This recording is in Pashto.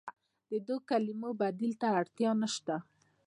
د دې کلمو بدیل ته اړتیا نشته.